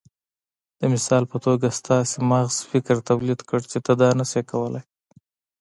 د مثال په توګه ستاسې مغز فکر توليد کړ چې ته دا نشې کولای.